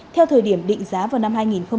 theo thời điểm định giá vào năm hai nghìn hai mươi